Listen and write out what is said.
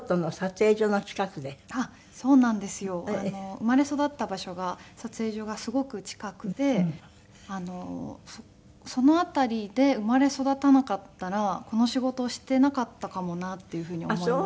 生まれ育った場所が撮影所がすごく近くてその辺りで生まれ育たなかったらこの仕事をしていなかったかもなっていうふうに思います。